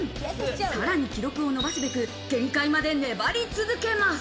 さらに記録を伸ばすべく、限界まで粘り続けます。